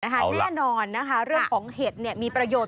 แน่นอนนะคะเรื่องของเห็ดเนี่ยมีประโยชน์